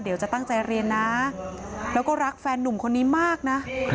เดี๋ยวจะตั้งใจเรียนนะแล้วก็รักแฟนนุ่มคนนี้มากนะ